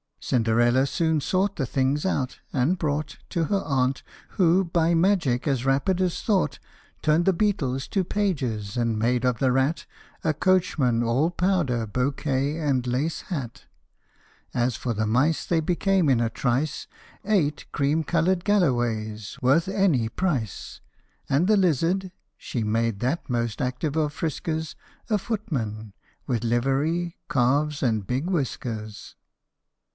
" Cinderella soon sought the things out, and brought To her aunt, who, by magic as rapid as thought, Turned the beetles to pages, and made of the rat A coachman, all powder, bouquet, and laced hat. As for the mice, they became in a trice Eight cream coloured galloways, worth any price ; And the lizard she made that most active of friskers A footman ! with livery, calves, and big whiskers.